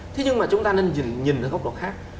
thế nhưng mà chúng ta nên nhìn ở góc độ khác